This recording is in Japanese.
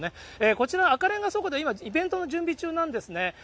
こちら、赤レンガ倉庫では今イベントの準備中なんですね。